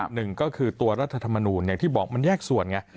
หนึ่งก็คือตัวรัฐธรรมนูลอย่างที่บอกมันแยกส่วนไง